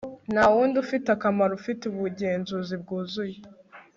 ntawundi ufite akamaro, ufite ubugenzuzi bwuzuye